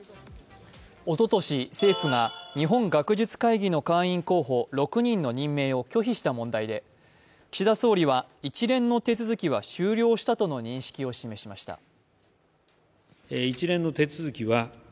おととし、政府が日本学術会議の会員候補、６人の任命を拒否した問題で岸田総理は一連の手続きは終了したとの認識を示しました。